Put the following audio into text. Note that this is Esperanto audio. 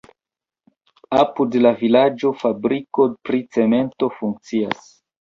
Apud la vilaĝo fabriko pri cemento funkcias.